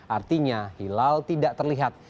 artinya hilal tidak terlihat